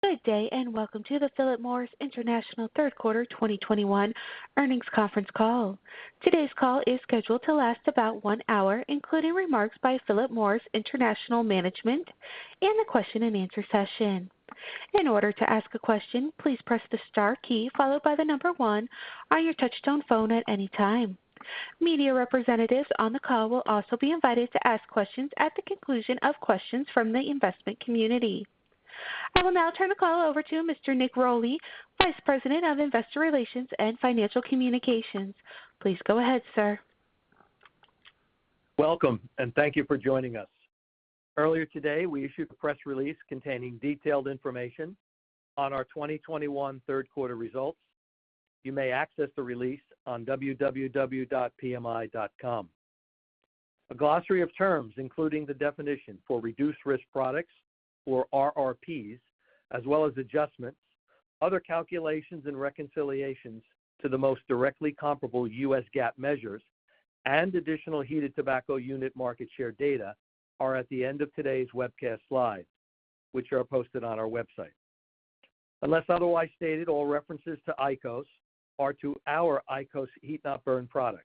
Good day, and welcome to the Philip Morris International third quarter 2021 earnings conference call. Today's call is scheduled to last about one hour, including remarks by Philip Morris International management and a question and answer session. In order to ask a question, please press the star key followed by the number 1 on your touch-tone phone at any time. Media representatives on the call will also be invited to ask questions at the conclusion of questions from the investment community. I will now turn the call over to Mr. Nick Rolli, Vice President of Investor Relations and Financial Communications. Please go ahead, sir. Welcome, and thank you for joining us. Earlier today, we issued a press release containing detailed information on our 2021 third quarter results. You may access the release on www.pmi.com. A glossary of terms, including the definition for Reduced-Risk Products or RRPs, as well as adjustments, other calculations and reconciliations to the most directly comparable U.S. GAAP measures and additional heated tobacco unit market share data are at the end of today's webcast slides, which are posted on our website. Unless otherwise stated, all references to IQOS are to our IQOS heat-not-burn products.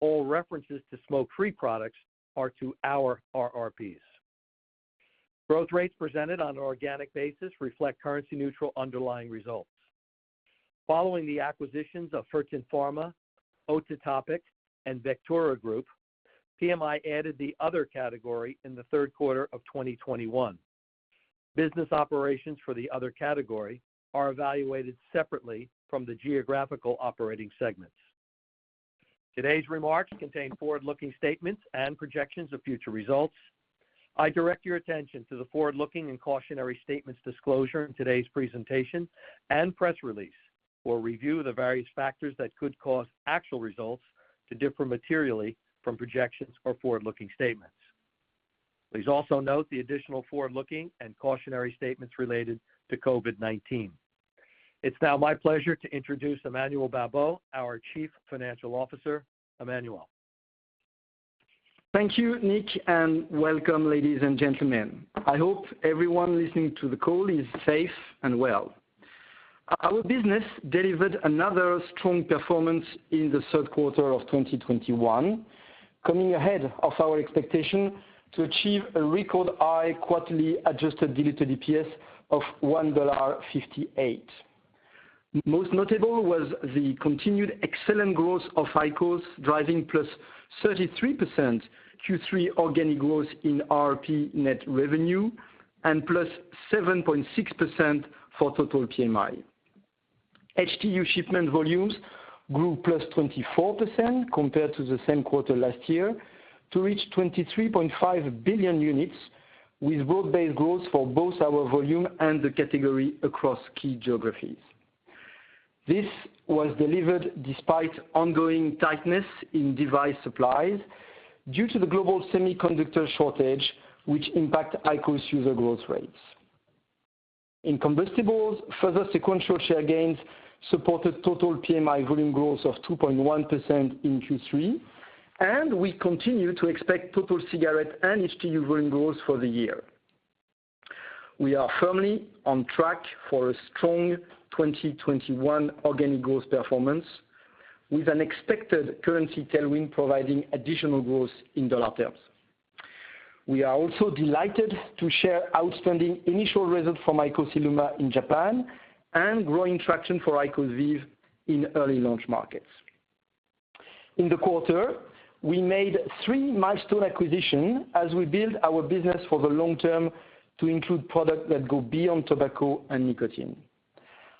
All references to smoke-free products are to our RRPs. Growth rates presented on an organic basis reflect currency-neutral underlying results. Following the acquisitions of Fertin Pharma, OtiTopic, and Vectura Group, PMI added the other category in the third quarter of 2021. Business operations for the other category are evaluated separately from the geographical operating segments. Today's remarks contain forward-looking statements and projections of future results. I direct your attention to the forward-looking and cautionary statements disclosure in today's presentation and press release for review of the various factors that could cause actual results to differ materially from projections or forward-looking statements. Please also note the additional forward-looking and cautionary statements related to COVID-19. It's now my pleasure to introduce Emmanuel Babeau, our Chief Financial Officer. Emmanuel? Thank you, Nick, and welcome, ladies and gentlemen. I hope everyone listening to the call is safe and well. Our business delivered another strong performance in the third quarter of 2021, coming ahead of our expectation to achieve a record high quarterly adjusted diluted EPS of $1.58. Most notable was the continued excellent growth of IQOS, driving +33% Q3 organic growth in RRP net revenue and +7.6% for total PMI. HTU shipment volumes grew +24% compared to the same quarter last year to reach 23.5 billion units, with broad-based growth for both our volume and the category across key geographies. This was delivered despite ongoing tightness in device supplies due to the global semiconductor shortage, which impact IQOS user growth rates. In combustibles, further sequential share gains supported total PMI volume growth of 2.1% in Q3. We continue to expect total cigarette and HTU volume growth for the year. We are firmly on track for a strong 2021 organic growth performance, with an expected currency tailwind providing additional growth in dollar terms. We are also delighted to share outstanding initial results from IQOS ILUMA in Japan and growing traction for IQOS VEEV in early launch markets. In the quarter, we made three milestone acquisitions as we build our business for the long term to include products that go beyond tobacco and nicotine.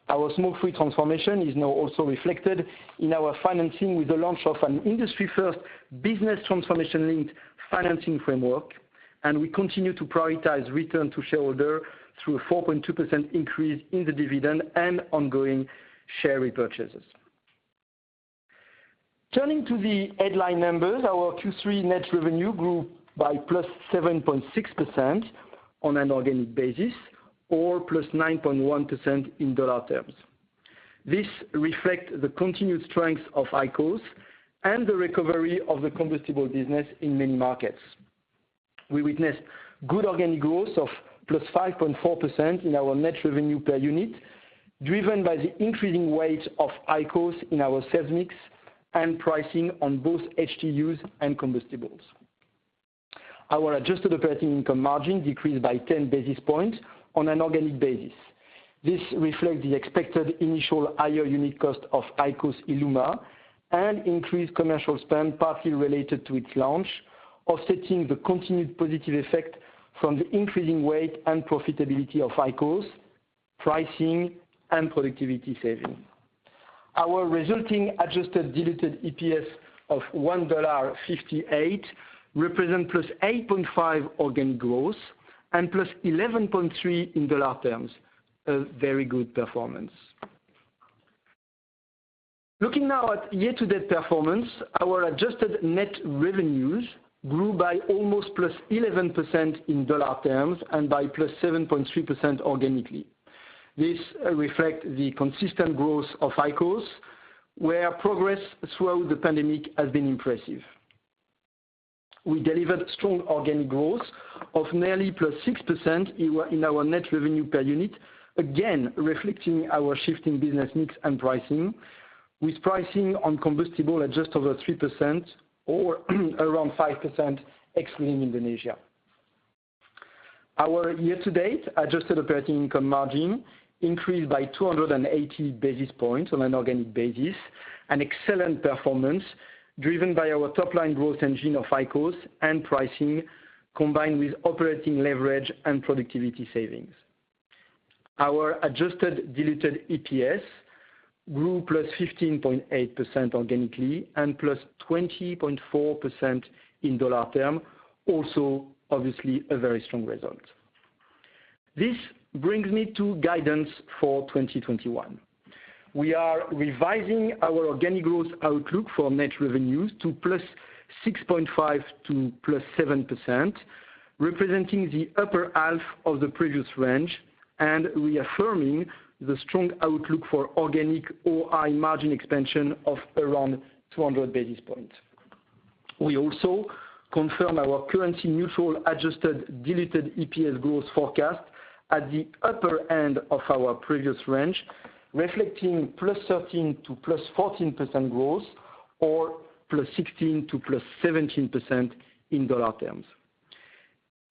Our smoke-free transformation is now also reflected in our financing with the launch of an industry-first business transformation-linked financing framework. We continue to prioritize return to shareholder through a 4.2% increase in the dividend and ongoing share repurchases. Turning to the headline numbers, our Q3 net revenue grew by +7.6% on an organic basis or +9.1% in dollar terms. This reflects the continued strength of IQOS and the recovery of the combustible business in many markets. We witnessed good organic growth of +5.4% in our net revenue per unit, driven by the increasing weight of IQOS in our sales mix and pricing on both HTUs and combustibles. Our adjusted operating income margin decreased by 10 basis points on an organic basis. This reflects the expected initial higher unit cost of IQOS ILUMA and increased commercial spend partly related to its launch, offsetting the continued positive effect from the increasing weight and profitability of IQOS, pricing, and productivity saving. Our resulting adjusted diluted EPS of $1.58 represent +8.5% organic growth and +11.3% in dollar terms. A very good performance. Looking now at year-to-date performance, our adjusted net revenues grew by almost +11% in dollar terms and by +7.3% organically. This reflects the consistent growth of IQOS, where progress throughout the pandemic has been impressive. We delivered strong organic growth of nearly +6% in our net revenue per unit, again, reflecting our shifting business mix and pricing, with pricing on combustible at just over 3% or around 5% excluding Indonesia. Our year-to-date adjusted operating income margin increased by 280 basis points on an organic basis, an excellent performance driven by our top-line growth engine of IQOS and pricing, combined with operating leverage and productivity savings. Our adjusted diluted EPS grew +15.8% organically and +20.4% in dollar term. Obviously, a very strong result. This brings me to guidance for 2021. We are revising our organic growth outlook for net revenues to +6.5% to +7%, representing the upper half of the previous range and reaffirming the strong outlook for organic OI margin expansion of around 200 basis points. We also confirm our currency neutral adjusted diluted EPS growth forecast at the upper end of our previous range, reflecting +13% to +14% growth or +16% to +17% in dollar terms.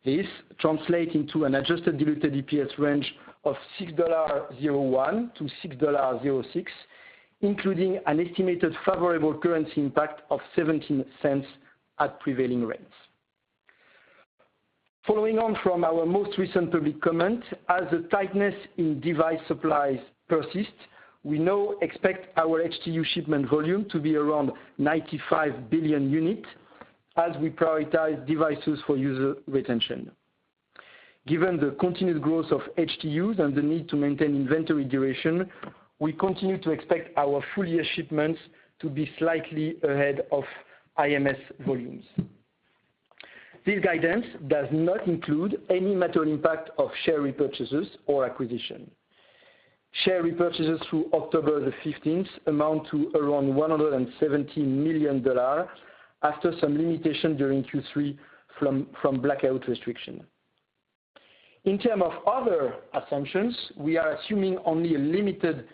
This translates into an adjusted diluted EPS range of $6.01-$6.06, including an estimated favorable currency impact of $0.17 at prevailing rates. Following on from our most recent public comment, as the tightness in device supplies persist, we now expect our HTU shipment volume to be around 95 billion units as we prioritize devices for user retention. Given the continued growth of HTUs and the need to maintain inventory duration, we continue to expect our full-year shipments to be slightly ahead of IMS volumes. This guidance does not include any material impact of share repurchases or acquisition. Share repurchases through October the 15th amount to around $170 million after some limitation during Q3 from blackout restriction. In term of other assumptions, we are assuming only a limited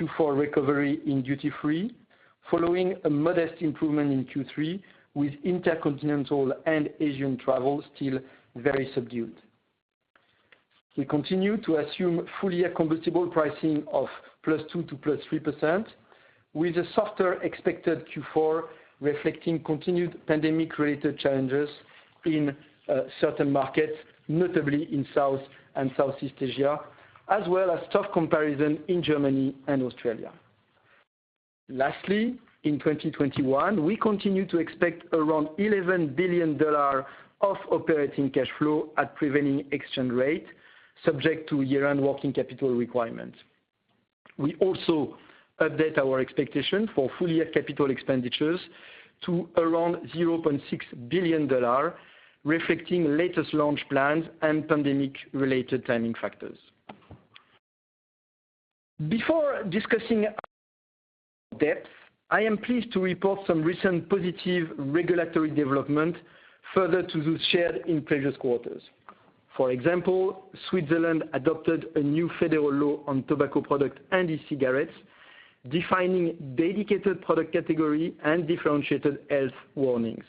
Q4 recovery in duty free following a modest improvement in Q3 with intercontinental and Asian travel still very subdued. We continue to assume full-year combustible pricing of +2% to +3% with a softer expected Q4, reflecting continued pandemic-related challenges in certain markets, notably in South and Southeast Asia, as well as tough comparison in Germany and Australia. Lastly, in 2021, we continue to expect around $11 billion of operating cash flow at prevailing exchange rate subject to year-end working capital requirements. We also update our expectation for full-year capital expenditures to around $0.6 billion, reflecting latest launch plans and pandemic-related timing factors. Before discussing debt, I am pleased to report some recent positive regulatory development further to those shared in previous quarters. For example, Switzerland adopted a new federal law on tobacco product and e-cigarettes, defining dedicated product category and differentiated health warnings.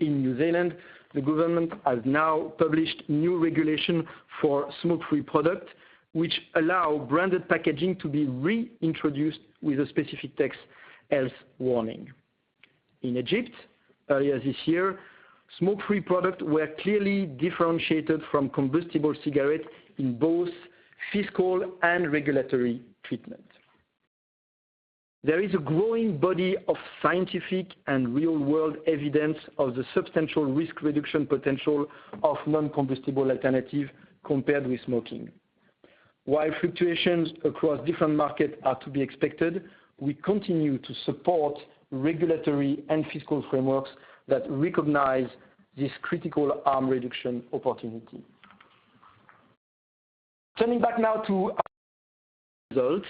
In New Zealand, the government has now published new regulation for smoke-free product, which allow branded packaging to be reintroduced with a specific text health warning. In Egypt, earlier this year, smoke-free product were clearly differentiated from combustible cigarettes in both fiscal and regulatory treatment. There is a growing body of scientific and real-world evidence of the substantial risk reduction potential of non-combustible alternative compared with smoking. While fluctuations across different markets are to be expected, we continue to support regulatory and fiscal frameworks that recognize this critical harm reduction opportunity. Turning back now to results.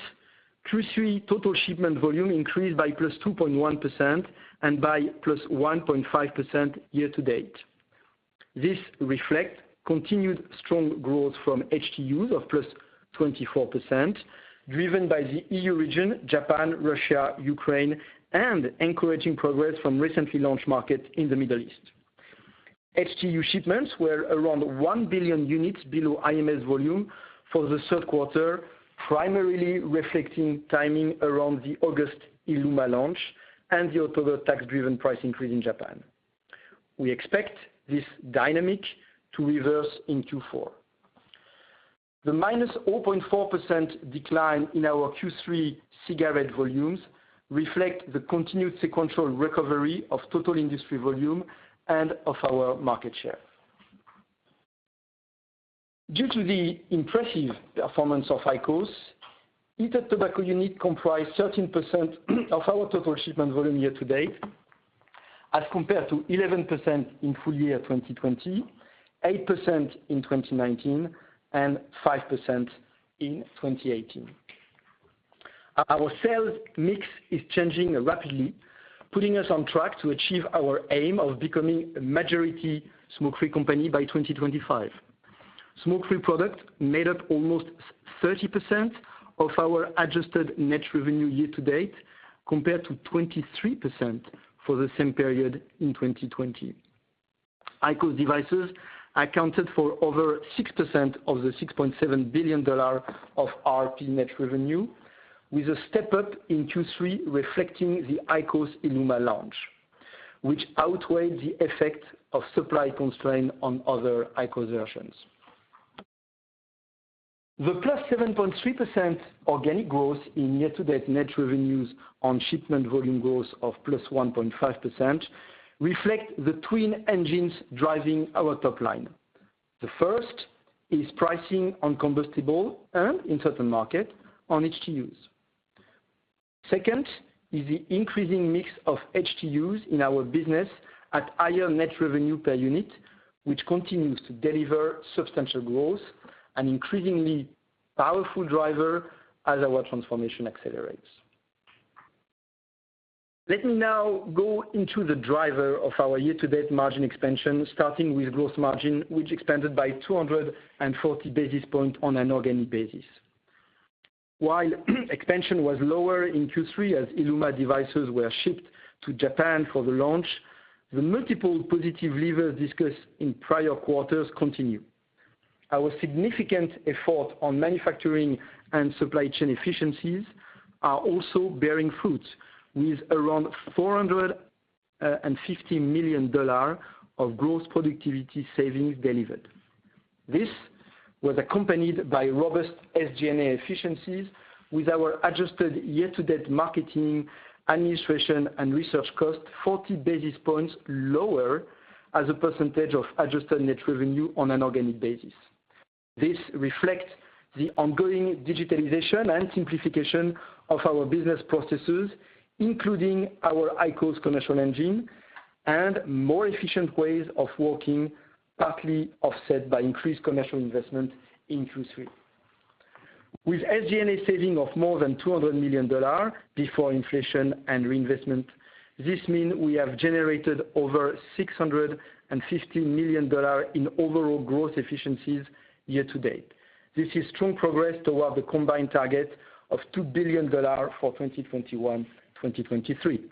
Q3 total shipment volume increased by +2.1% and by +1.5% year-to-date. This reflect continued strong growth from HTU of +24%, driven by the EU region, Japan, Russia, Ukraine, and encouraging progress from recently launched markets in the Middle East. HTU shipments were around one billion units below IMS volume for the third quarter, primarily reflecting timing around the August ILUMA launch and the October tax-driven price increase in Japan. We expect this dynamic to reverse in Q4. The -0.4% decline in our Q3 cigarette volumes reflect the continued sequential recovery of total industry volume and of our market share. Due to the impressive performance of IQOS, heated tobacco unit comprise 13% of our total shipment volume year-to-date as compared to 11% in full year 2020, 8% in 2019, and 5% in 2018. Our sales mix is changing rapidly, putting us on track to achieve our aim of becoming a majority smoke-free company by 2025. Smoke-free products made up almost 30% of our adjusted net revenue year-to-date, compared to 23% for the same period in 2020. IQOS devices accounted for over 6% of the $6.7 billion of RRP net revenue, with a step-up in Q3 reflecting the IQOS ILUMA launch, which outweighed the effect of supply constraint on other IQOS versions. The +7.3% organic growth in year-to-date net revenues on shipment volume growth of +1.5% reflect the twin engines driving our top line. The first is pricing on combustible and in certain markets on HTUs. Second is the increasing mix of HTUs in our business at higher net revenue per unit, which continues to deliver substantial growth and increasingly powerful driver as our transformation accelerates. Let me now go into the driver of our year-to-date margin expansion, starting with gross margin, which expanded by 240 basis points on an organic basis. While expansion was lower in Q3 as ILUMA devices were shipped to Japan for the launch, the multiple positive levers discussed in prior quarters continue. Our significant effort on manufacturing and supply chain efficiencies are also bearing fruit, with around $450 million of gross productivity savings delivered. This was accompanied by robust SG&A efficiencies with our adjusted year-to-date marketing, administration, and research cost 40 basis points lower as a percentage of adjusted net revenue on an organic basis. This reflects the ongoing digitalization and simplification of our business processes, including our IQOS commercial engine and more efficient ways of working, partly offset by increased commercial investment in Q3. With SG&A saving of more than $200 million before inflation and reinvestment, this means we have generated over $650 million in overall growth efficiencies year-to-date. This is strong progress toward the combined target of $2 billion for 2021, 2023.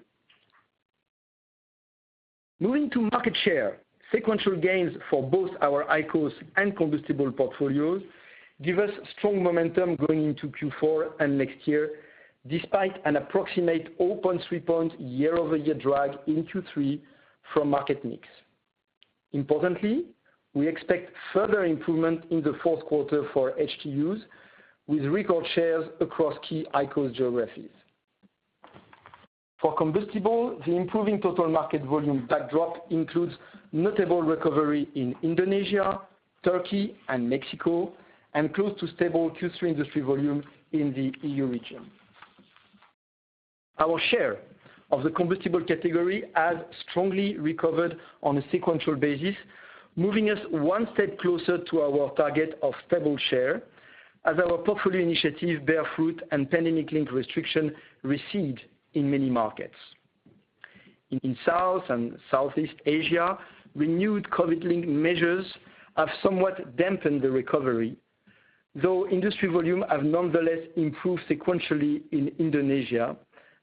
Moving to market share, sequential gains for both our IQOS and combustible portfolios give us strong momentum going into Q4 and next year, despite an approximate 0.3-point year-over-year drag in Q3 from market mix. Importantly, we expect further improvement in the fourth quarter for HTUs, with record shares across key IQOS geographies. For combustible, the improving total market volume backdrop includes notable recovery in Indonesia, Turkey, and Mexico, and close to stable Q3 industry volume in the EU region. Our share of the combustible category has strongly recovered on a sequential basis, moving us one step closer to our target of stable share as our portfolio initiative bear fruit and pandemic-linked restriction recede in many markets. In South and Southeast Asia, renewed COVID-linked measures have somewhat dampened the recovery, though industry volume have nonetheless improved sequentially in Indonesia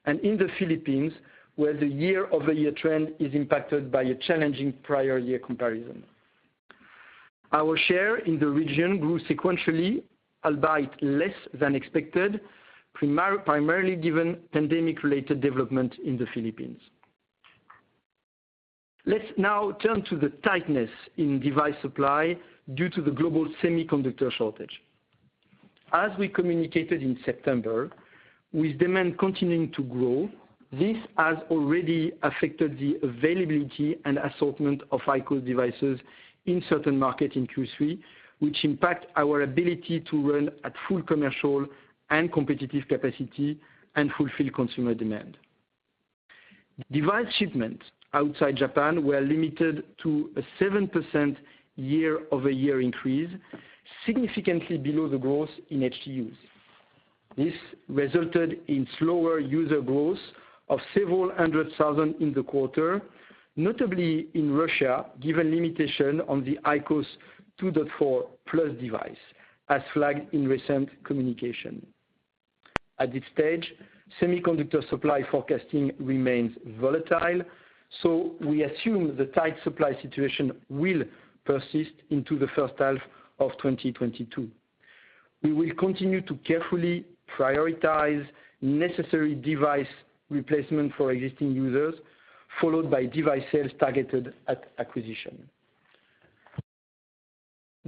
and in the Philippines, where the year-over-year trend is impacted by a challenging prior year comparison. Our share in the region grew sequentially, albeit less than expected, primarily given pandemic-related development in the Philippines. Let's now turn to the tightness in device supply due to the global semiconductor shortage. As we communicated in September, with demand continuing to grow, this has already affected the availability and assortment of IQOS devices in certain markets in Q3, which impact our ability to run at full commercial and competitive capacity and fulfill consumer demand. Device shipments outside Japan were limited to a 7% year-over-year increase, significantly below the growth in HTUs. This resulted in slower user growth of several hundred thousand in the quarter, notably in Russia, given limitation on the IQOS 2.4 PLUS Device, as flagged in recent communication. At this stage, semiconductor supply forecasting remains volatile, so we assume the tight supply situation will persist into the first half of 2022. We will continue to carefully prioritize necessary device replacement for existing users, followed by device sales targeted at acquisition.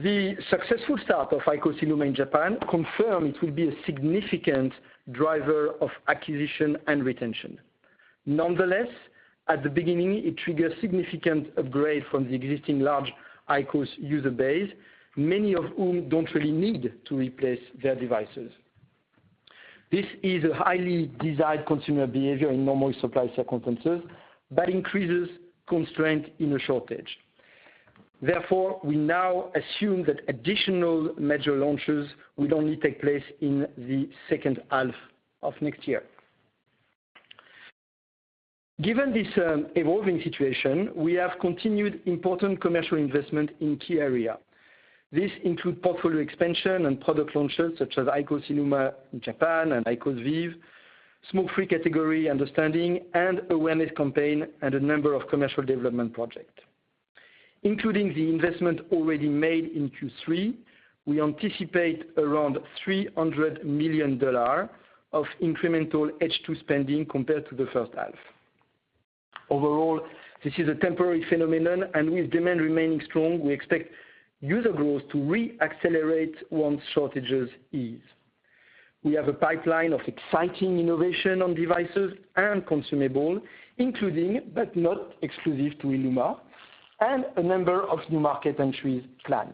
The successful start of IQOS ILUMA in Japan confirms it will be a significant driver of acquisition and retention. Nonetheless, at the beginning, it triggered significant upgrade from the existing large IQOS user base, many of whom don't really need to replace their devices. This is a highly desired consumer behavior in normal supply circumstances but increases constraint in a shortage. We now assume that additional major launches will only take place in the second half of next year. Given this evolving situation, we have continued important commercial investment in key areas. This includes portfolio expansion and product launches such as IQOS ILUMA in Japan and IQOS VEEV, smoke-free category understanding, and awareness campaigns, and a number of commercial development projects. Including the investment already made in Q3, we anticipate around $300 million of incremental H2 spending compared to the first half. Overall, this is a temporary phenomenon, and with demand remaining strong, we expect user growth to re-accelerate once shortages ease. We have a pipeline of exciting innovation on devices and consumable, including, but not exclusive to ILUMA, and a number of new market entries planned.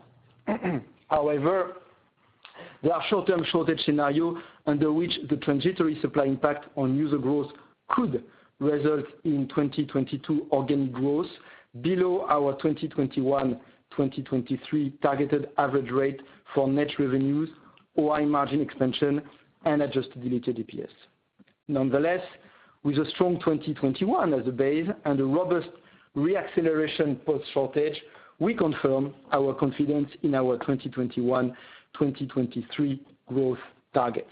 However, there are short-term shortage scenario under which the transitory supply impact on user growth could result in 2022 organic growth below our 2021-2023 targeted average rate for net revenues, OI margin expansion, and adjusted diluted EPS. Nonetheless, with a strong 2021 as a base and a robust re-acceleration post-shortage, we confirm our confidence in our 2021-2023 growth targets.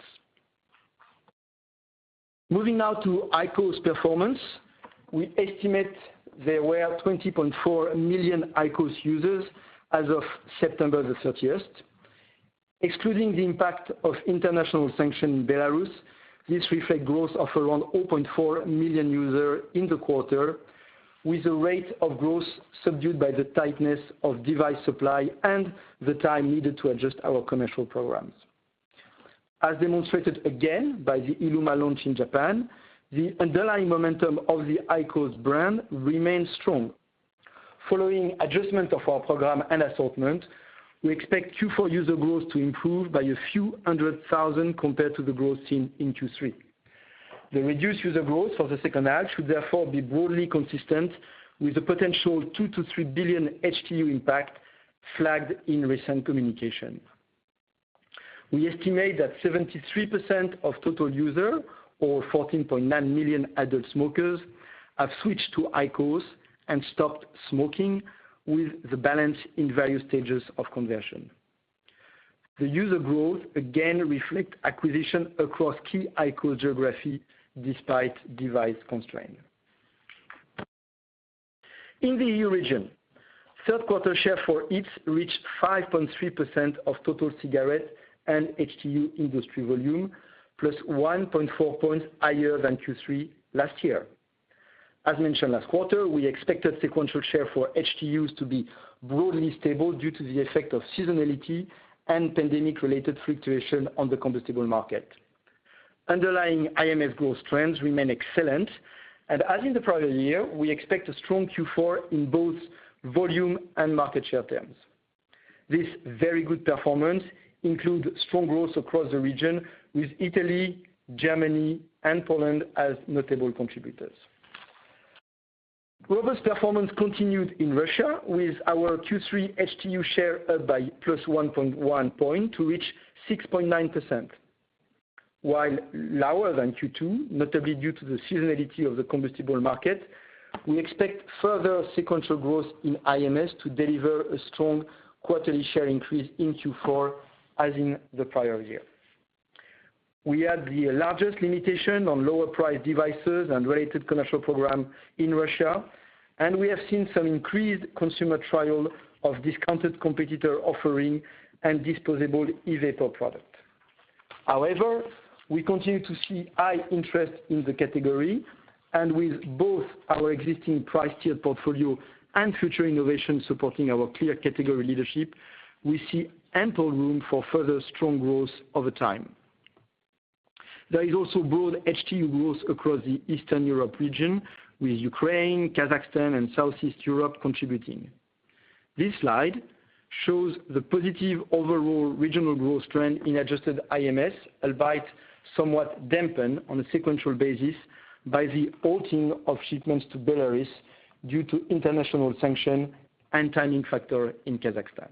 Moving now to IQOS performance. We estimate there were 20.4 million IQOS users as of September the 30th. Excluding the impact of international sanction in Belarus, this reflect growth of around 0.4 million user in the quarter, with a rate of growth subdued by the tightness of device supply and the time needed to adjust our commercial programs. As demonstrated again by the ILUMA launch in Japan, the underlying momentum of the IQOS brand remains strong. Following adjustment of our program and assortment, we expect Q4 user growth to improve by a few hundred thousand compared to the growth seen in Q3. The reduced user growth for the second half should therefore be broadly consistent with the potential 2 billion-3 billion HTU impact flagged in recent communication. We estimate that 73% of total user, or 14.9 million adult smokers, have switched to IQOS and stopped smoking, with the balance in various stages of conversion. The user growth again reflect acquisition across key IQOS geography despite device constraint. In the EU region, third quarter share for HEETS reached 5.3% of total cigarette and HTU industry volume, +1.4 points higher than Q3 last year. As mentioned last quarter, we expected sequential share for HTUs to be broadly stable due to the effect of seasonality and pandemic-related fluctuation on the combustible market. Underlying IMS growth trends remain excellent, and as in the prior year, we expect a strong Q4 in both volume and market share terms. This very good performance include strong growth across the region with Italy, Germany, and Poland as notable contributors. Robust performance continued in Russia with our Q3 HTU share up by +1.1 point to reach 6.9%. While lower than Q2, notably due to the seasonality of the combustible market, we expect further sequential growth in IMS to deliver a strong quarterly share increase in Q4 as in the prior year. We had the largest limitation on lower priced devices and related commercial program in Russia, and we have seen some increased consumer trial of discounted competitor offering and disposable e-vapor product. However, we continue to see high interest in the category, and with both our existing price tier portfolio and future innovation supporting our clear category leadership, we see ample room for further strong growth over time. There is also broad HTU growth across the Eastern Europe region with Ukraine, Kazakhstan, and Southeast Europe contributing. This slide shows the positive overall regional growth trend in adjusted IMS, albeit somewhat dampened on a sequential basis by the halting of shipments to Belarus due to international sanction and timing factor in Kazakhstan.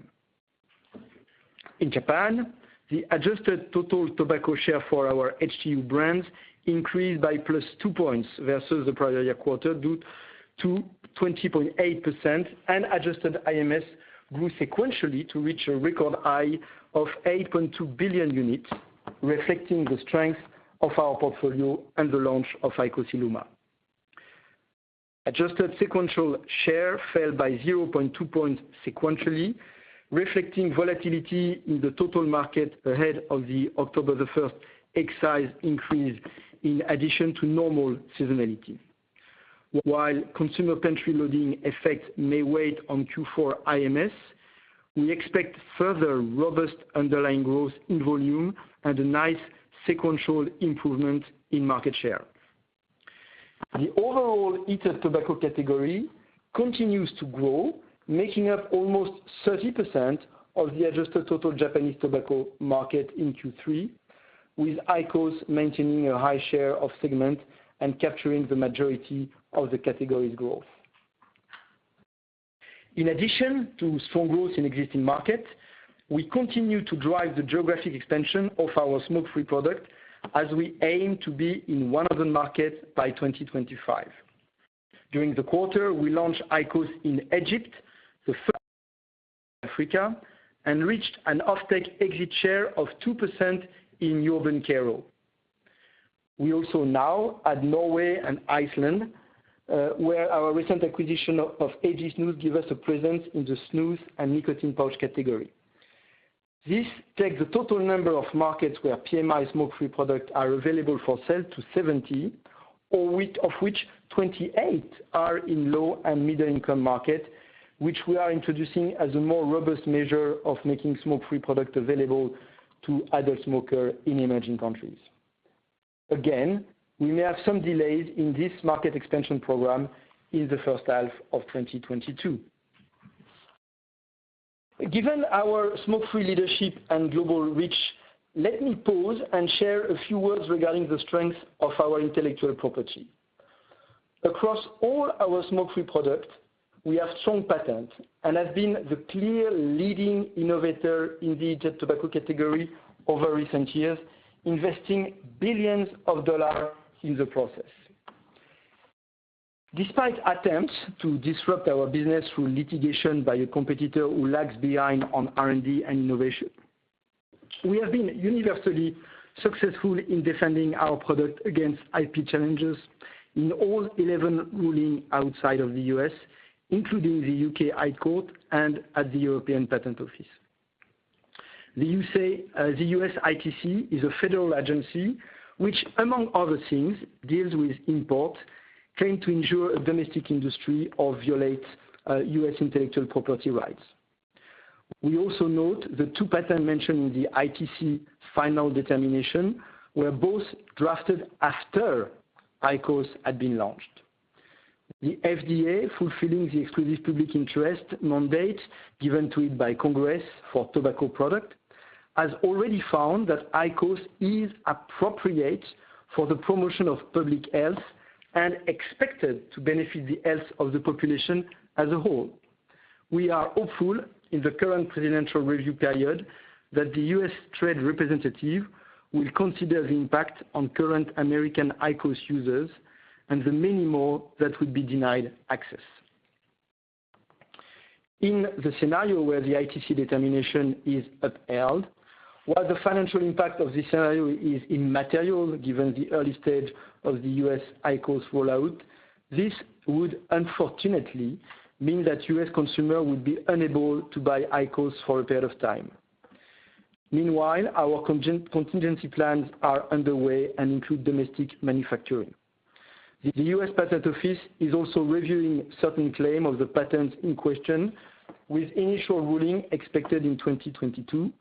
In Japan, the adjusted total tobacco share for our HTU brands increased by +2 points versus the prior year quarter due to 20.8%, and adjusted IMS grew sequentially to reach a record high of 8.2 billion units, reflecting the strength of our portfolio and the launch of IQOS ILUMA. Adjusted sequential share fell by 0.2 points sequentially, reflecting volatility in the total market ahead of the October 1st excise increase in addition to normal seasonality. While consumer pantry loading effect may wait on Q4 IMS, we expect further robust underlying growth in volume and a nice sequential improvement in market share. The overall heated tobacco category continues to grow, making up almost 30% of the adjusted total Japanese tobacco market in Q3. With IQOS maintaining a high share of segment and capturing the majority of the category's growth. In addition to strong growth in existing markets, we continue to drive the geographic expansion of our smoke-free product as we aim to be in 100 markets by 2025. During the quarter, we launched IQOS in Egypt, the first in Africa, and reached an off-take exit share of 2% in urban Cairo. We also now add Norway and Iceland, where our recent acquisition of AG Snus gives us a presence in the snus and nicotine pouch category. This takes the total number of markets where PMI smoke-free products are available for sale to 70, of which 28 are in low and middle-income markets, which we are introducing as a more robust measure of making smoke-free products available to adult smokers in emerging countries. Again, we may have some delays in this market expansion program in the first half of 2022. Given our smoke-free leadership and global reach, let me pause and share a few words regarding the strength of our intellectual property. Across all our smoke-free products, we have strong patents and have been the clear leading innovator in the heated tobacco category over recent years, investing billions of dollars in the process. Despite attempts to disrupt our business through litigation by a competitor who lags behind on R&D and innovation. We have been universally successful in defending our product against IP challenges in all 11 rulings outside of the U.S., including the U.K. High Court and at the European Patent Office. The U.S. ITC is a federal agency which, among other things, deals with imports claimed to injure a domestic industry or violate U.S. intellectual property rights. We also note the two patents mentioned in the ITC final determination were both drafted after IQOS had been launched. The FDA, fulfilling the exclusive public interest mandate given to it by Congress for tobacco product, has already found that IQOS is appropriate for the promotion of public health and expected to benefit the health of the population as a whole. We are hopeful in the current presidential review period that the U.S. trade representative will consider the impact on current American IQOS users and the many more that would be denied access. In the scenario where the ITC determination is upheld, while the financial impact of this scenario is immaterial, given the early stage of the U.S. IQOS rollout, this would unfortunately mean that U.S. consumers would be unable to buy IQOS for a period of time. Meanwhile, our contingency plans are underway and include domestic manufacturing. The U.S. Patent Office is also reviewing certain claims of the patents in question, with initial ruling expected in 2022,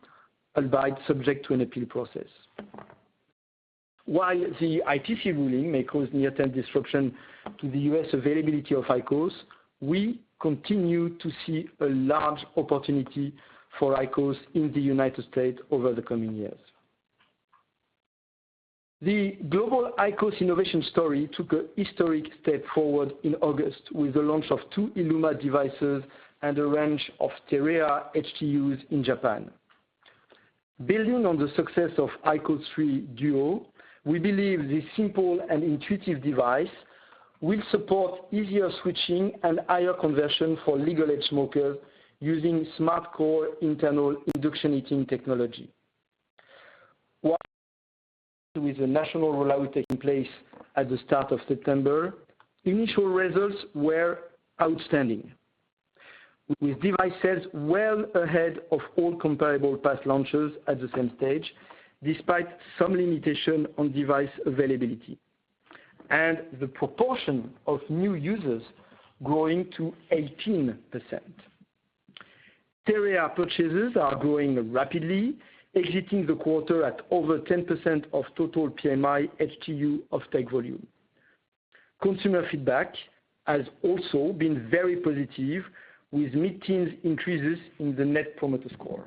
albeit subject to an appeal process. While the ITC ruling may cause near-term disruption to the U.S. availability of IQOS, we continue to see a large opportunity for IQOS in the United States over the coming years. The global IQOS innovation story took a historic step forward in August with the launch of two ILUMA devices and a range of TEREA HTUs in Japan. Building on the success of IQOS 3 DUO, we believe this simple and intuitive device will support easier switching and higher conversion for legal-age smokers using SMARTCORE internal induction heating technology. With the national rollout taking place at the start of September, initial results were outstanding, with device sales well ahead of all comparable past launches at the same stage, despite some limitation on device availability, and the proportion of new users growing to 18%. TEREA purchases are growing rapidly, exiting the quarter at over 10% of total PMI HTU off-take volume. Consumer feedback has also been very positive, with mid-teens increases in the net promoter score.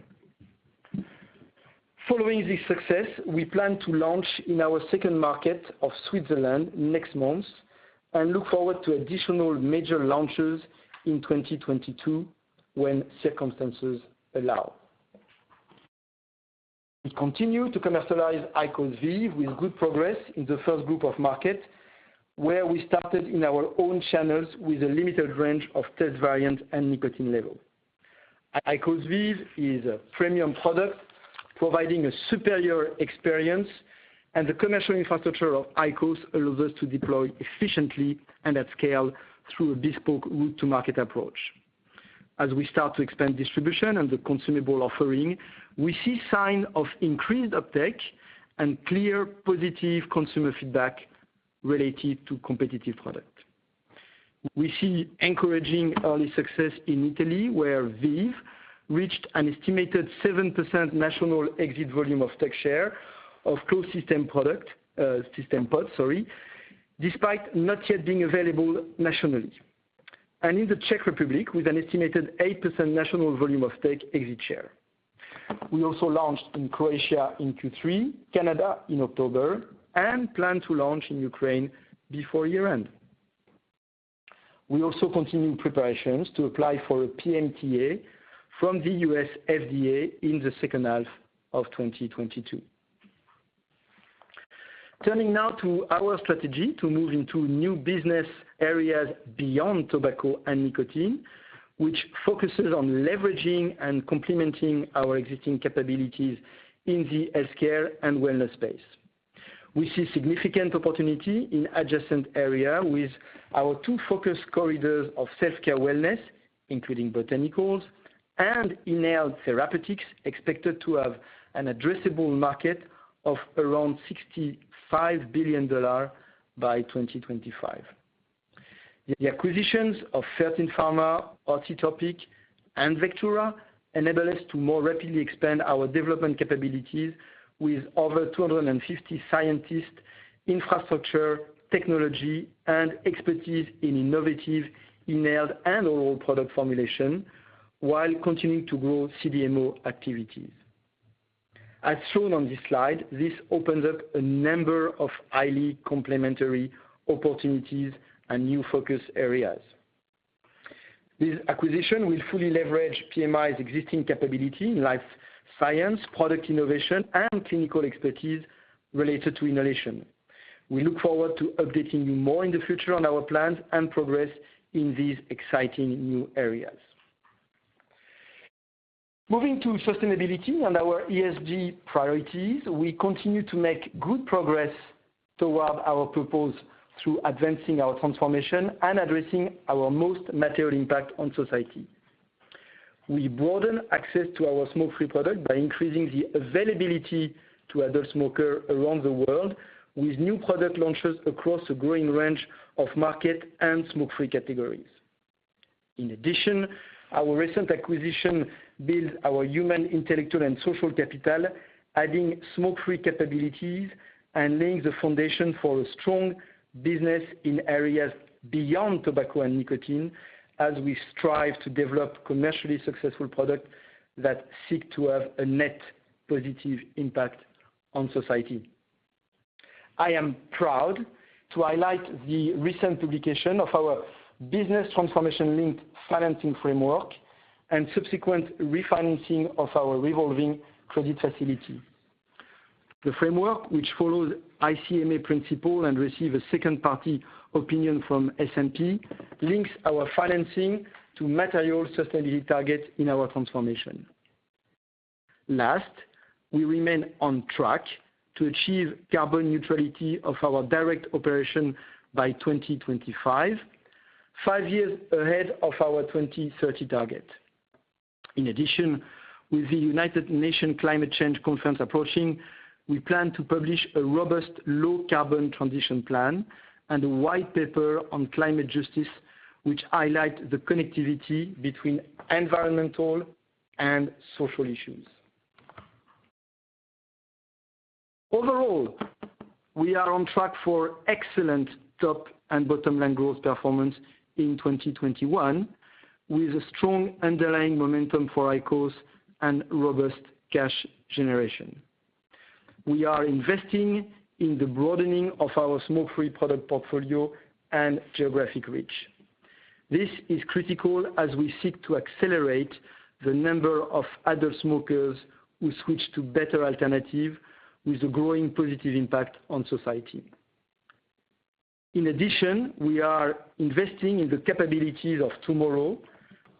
Following this success, we plan to launch in our second market of Switzerland next month and look forward to additional major launches in 2022 when circumstances allow. We continue to commercialize IQOS VEEV with good progress in the first group of markets, where we started in our own channels with a limited range of taste variants and nicotine level. IQOS VEEV is a premium product providing a superior experience. The commercial infrastructure of IQOS allows us to deploy efficiently and at scale through a bespoke route-to-market approach. As we start to expand distribution and the consumable offering, we see signs of increased uptake and clear positive consumer feedback related to competitive products. We see encouraging early success in Italy, where VEEV reached an estimated 7% national exit volume off-take share of closed system pods, despite not yet being available nationally. In the Czech Republic, with an estimated 8% national volume off-take exit share. We also launched in Croatia in Q3, Canada in October, and plan to launch in Ukraine before year-end. We also continue preparations to apply for a PMTA from the U.S. FDA in the second half of 2022. Turning now to our strategy to move into new business areas beyond tobacco and nicotine, which focuses on leveraging and complementing our existing capabilities in the healthcare and wellness space. We see significant opportunity in adjacent area with our two focus corridors of self-care wellness, including botanicals and inhaled therapeutics, expected to have an addressable market of around $65 billion by 2025. The acquisitions of Fertin Pharma, OtiTopic, and Vectura enable us to more rapidly expand our development capabilities with over 250 scientists, infrastructure, technology, and expertise in innovative, inhaled, and oral product formulation, while continuing to grow CDMO activities. As shown on this slide, this opens up a number of highly complementary opportunities and new focus areas. This acquisition will fully leverage PMI's existing capability in life science, product innovation, and clinical expertise related to inhalation. We look forward to updating you more in the future on our plans and progress in these exciting new areas. Moving to sustainability and our ESG priorities, we continue to make good progress toward our purpose through advancing our transformation and addressing our most material impact on society. We broaden access to our smoke-free product by increasing the availability to adult smoker around the world, with new product launches across a growing range of market and smoke-free categories. In addition, our recent acquisition build our human, intellectual, and social capital, adding smoke-free capabilities and laying the foundation for a strong business in areas beyond tobacco and nicotine, as we strive to develop commercially successful product that seek to have a net positive impact on society. I am proud to highlight the recent publication of our Business Transformation-Linked Financing Framework, and subsequent refinancing of our revolving credit facility. The framework, which follows ICMA principle and receive a second-party opinion from S&P, links our financing to material sustainability targets in our transformation. Last, we remain on track to achieve carbon neutrality of our direct operation by 2025, five years ahead of our 2030 target. In addition, with the United Nations Climate Change Conference approaching, we plan to publish a robust low carbon transition plan and a white paper on climate justice, which highlight the connectivity between environmental and social issues. Overall, we are on track for excellent top and bottom-line growth performance in 2021, with a strong underlying momentum for IQOS and robust cash generation. We are investing in the broadening of our smoke-free product portfolio and geographic reach. This is critical as we seek to accelerate the number of adult smokers who switch to better alternative, with a growing positive impact on society. In addition, we are investing in the capabilities of tomorrow,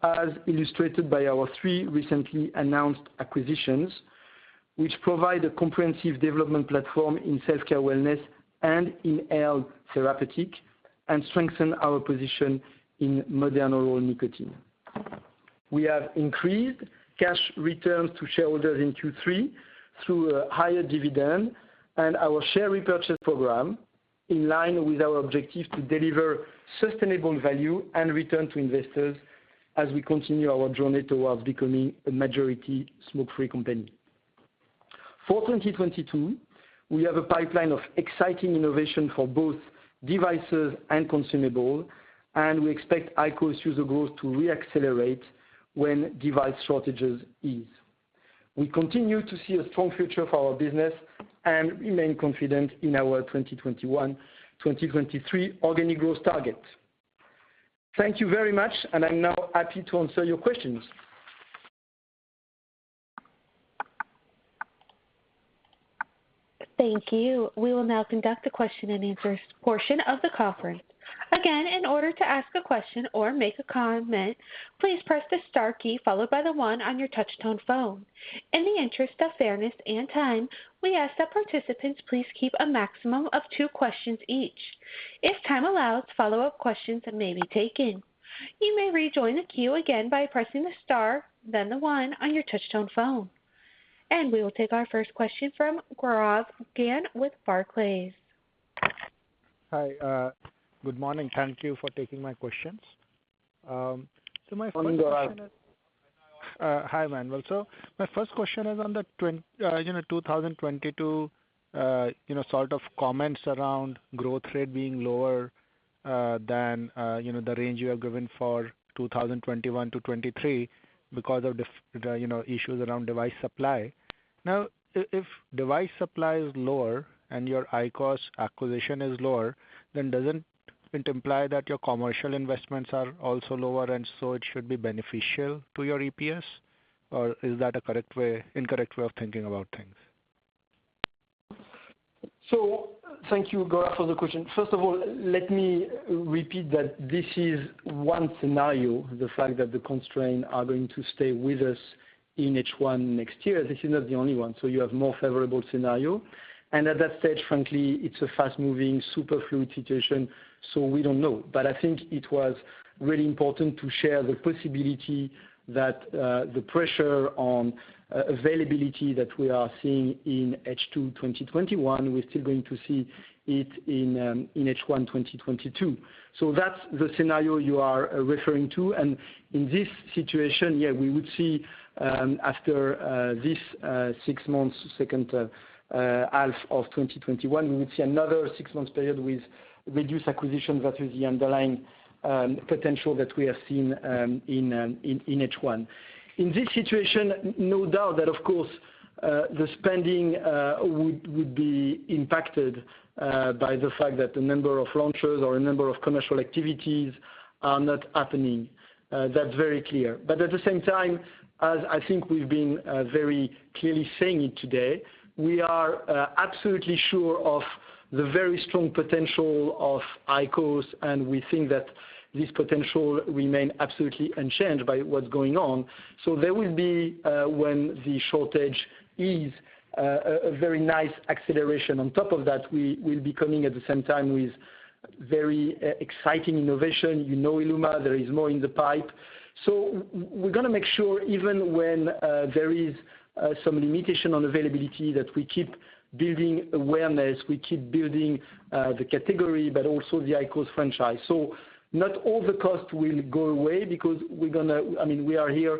as illustrated by our three recently announced acquisitions, which provide a comprehensive development platform in self-care wellness and inhaled therapeutic, and strengthen our position in modern oral nicotine. We have increased cash returns to shareholders in Q3 through a higher dividend and our share repurchase program, in line with our objective to deliver sustainable value and return to investors, as we continue our journey towards becoming a majority smoke-free company. For 2022, we have a pipeline of exciting innovation for both devices and consumables. We expect IQOS user growth to re-accelerate when device shortages ease. We continue to see a strong future for our business and remain confident in our 2021, 2023 organic growth target. Thank you very much. I'm now happy to answer your questions. Thank you. We will now conduct a question and answer portion of the conference. Again, in order to ask a question or make a comment, please press the star key followed by the one on your touch-tone phone. In the interest of fairness and time, we ask that participants please keep a maximum of two questions each. If time allows, follow-up questions may be taken. You may rejoin the queue again by pressing the star, then the one on your touch-tone phone. We will take our first question from Gaurav Jain with Barclays. Hi. Good morning. Thank you for taking my questions. Hi, Emmanuel. My first question is on the 2022 comments around growth rate being lower than the range you have given for 2021-2023 because of the issues around device supply. If device supply is lower and your IQOS acquisition is lower, then doesn't it imply that your commercial investments are also lower, and so it should be beneficial to your EPS? Is that a incorrect way of thinking about things? Thank you, Gaurav, for the question. First of all, let me repeat that this is one scenario, the fact that the constraints are going to stay with us in H1 next year. This is not the only one, you have more favorable scenario. At that stage, frankly, it's a fast-moving, super fluid situation, we don't know. I think it was really important to share the possibility that the pressure on availability that we are seeing in H2 2021, we're still going to see it in H1 2022. That's the scenario you are referring to. In this situation, yeah, we would see after this six months, second half of 2021, we would see another six months period with reduced acquisition versus the underlying potential that we have seen in H1. In this situation, no doubt that, of course, the spending would be impacted by the fact that the number of launches or the number of commercial activities are not happening. That's very clear. At the same time, as I think we've been very clearly saying it today, we are absolutely sure of the very strong potential of IQOS, and we think that this potential remain absolutely unchanged by what's going on. There will be, when the shortage eases, a very nice acceleration. On top of that, we will be coming at the same time with very exciting innovation. You know ILUMA, there is more in the pipe. We're going to make sure even when there is some limitation on availability, that we keep building awareness, we keep building the category, but also the IQOS franchise. Not all the cost will go away because we are here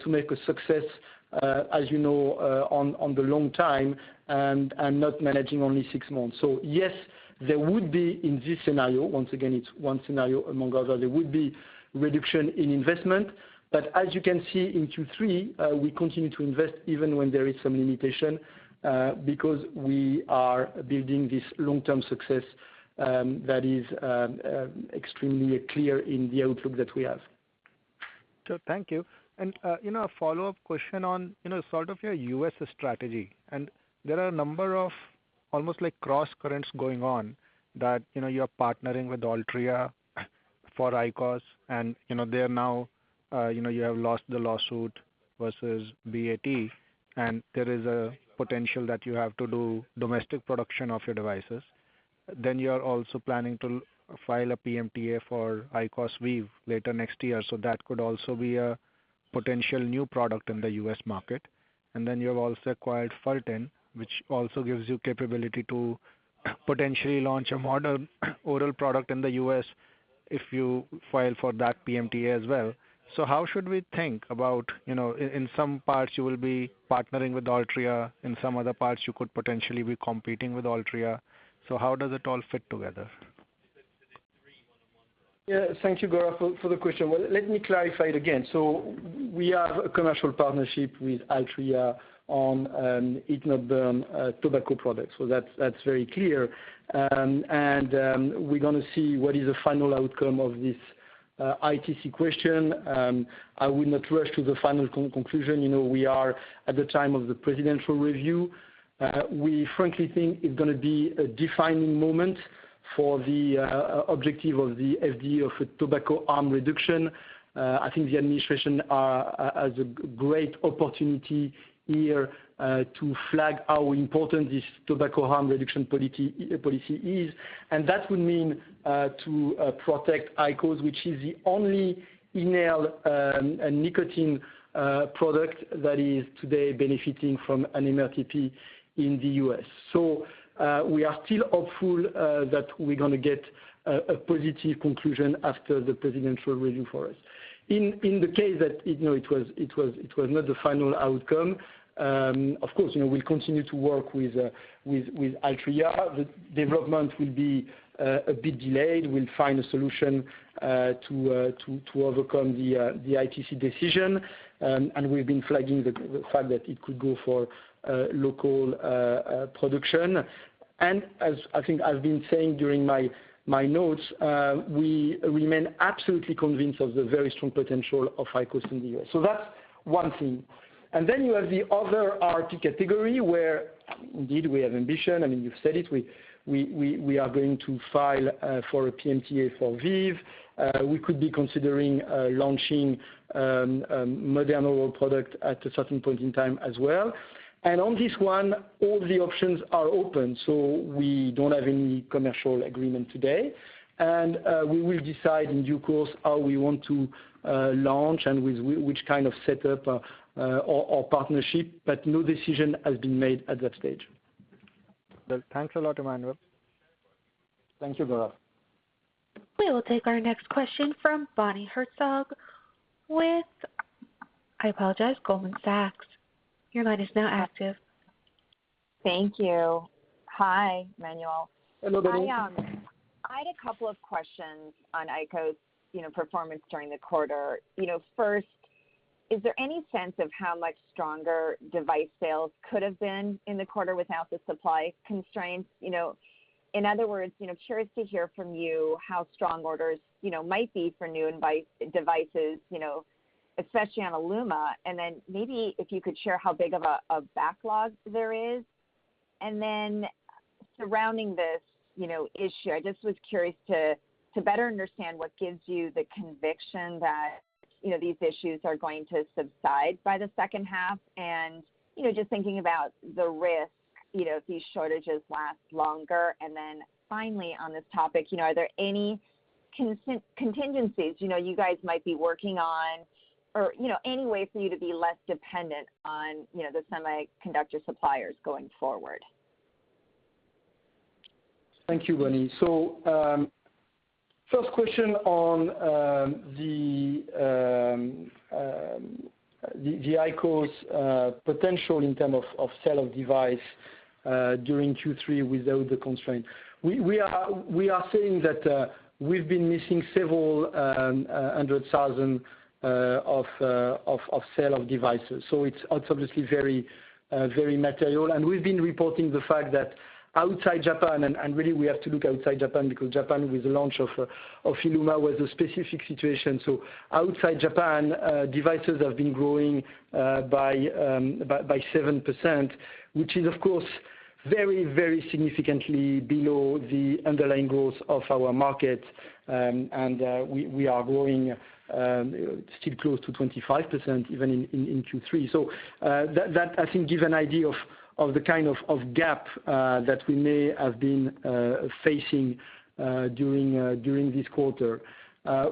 to make a success, as you know, on the long time, and not managing only six months. Yes, there would be, in this scenario, once again, it's one scenario among others, there would be reduction in investment. As you can see in Q3, we continue to invest even when there is some limitation, because we are building this long-term success that is extremely clear in the outlook that we have. Thank you. A follow-up question on your U.S. strategy. There are a number of almost crosscurrents going on that you're partnering with Altria for IQOS, you have lost the lawsuit versus BAT, and there is a potential that you have to do domestic production of your devices. You're also planning to file a PMTA for IQOS VEEV later next year, so that could also be a potential new product in the U.S. market. You have also acquired Fertin, which also gives you capability to potentially launch a modern oral product in the U.S. if you file for that PMTA as well. How should we think about, in some parts you will be partnering with Altria, in some other parts you could potentially be competing with Altria. How does it all fit together? Yeah. Thank you, Gaurav, for the question. Well, let me clarify it again. We have a commercial partnership with Altria on heat-not-burn tobacco products. That's very clear. We're going to see what is the final outcome of this ITC question. I will not rush to the final conclusion. We are at the time of the presidential review. We frankly think it's going to be a defining moment for the objective of the FDA of tobacco harm reduction. I think the administration has a great opportunity here to flag how important this tobacco harm reduction policy is. That would mean to protect IQOS, which is the only inhaled nicotine product that is today benefiting from an MRTP in the U.S. We are still hopeful that we're going to get a positive conclusion after the presidential review for us. In the case that it was not the final outcome, of course, we'll continue to work with Altria. The development will be a bit delayed. We'll find a solution to overcome the ITC decision. We've been flagging the fact that it could go for local production. As I think I've been saying during my notes, we remain absolutely convinced of the very strong potential of IQOS in the U.S. That's one thing. Then you have the other RRP category, where indeed we have ambition. You said it, we are going to file for a PMTA for VEEV. We could be considering launching modern oral product at a certain point in time as well. On this one, all the options are open. We don't have any commercial agreement today. We will decide in due course how we want to launch and with which kind of setup or partnership, but no decision has been made at that stage. Well, thanks a lot, Emmanuel. Thank you, Gaurav. We will take our next question from Bonnie Herzog with, I apologize, Goldman Sachs. Your line is now active. Thank you. Hi, Emmanuel. Hello, Bonnie. I had a couple of questions on IQOS performance during the quarter. First, is there any sense of how much stronger device sales could have been in the quarter without the supply constraints? In other words, curious to hear from you how strong orders might be for new devices, especially on ILUMA. Maybe if you could share how big of a backlog there is. Surrounding this issue, I just was curious to better understand what gives you the conviction that these issues are going to subside by the second half, and just thinking about the risk if these shortages last longer. Finally on this topic, are there any contingencies you guys might be working on or any way for you to be less dependent on the semiconductor suppliers going forward? Thank you, Bonnie. First question on the IQOS potential in term of sale of device during Q3 without the constraint. We are saying that we've been missing several hundred thousand of sale of devices. It's obviously very material. We've been reporting the fact that outside Japan, and really we have to look outside Japan because Japan with the launch of ILUMA was a specific situation. Outside Japan, devices have been growing by 7%, which is of course very, very significantly below the underlying growth of our market. We are growing still close to 25% even in Q3. That I think gives an idea of the kind of gap that we may have been facing during this quarter.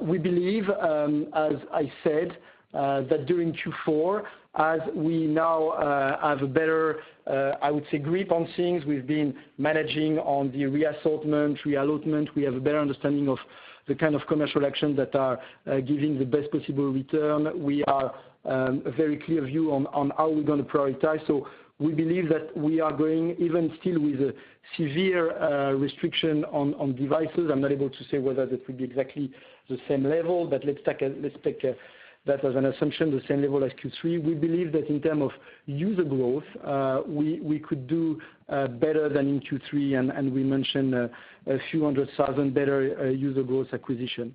We believe, as I said, that during Q4, as we now have a better, I would say, grip on things, we've been managing on the reassortment, reallotment. We have a better understanding of the kind of commercial actions that are giving the best possible return. We have a very clear view on how we're going to prioritize. We believe that we are going even still with a severe restriction on devices. I'm not able to say whether that will be exactly the same level, but let's take that as an assumption, the same level as Q3. We believe that in terms of user growth, we could do better than in Q3, and we mentioned a few hundred thousand better user growth acquisition.